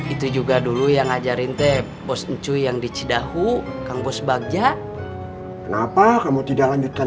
itu juga dulu yang ngajarin te bos encuy yang di cidahu kang bos bagja kenapa kamu tidak lanjutkan